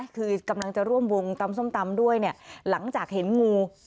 คือกำลังจะร่วมวงตำส้มตำด้วยเนี่ยหลังจากเห็นงู